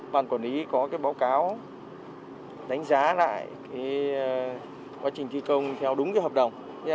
bản quản lý có cái báo cáo đánh giá lại quá trình thi công theo đúng cái hợp đồng